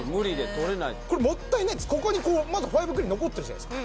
これもったいないここにまだファイブクリーン残ってるじゃないですか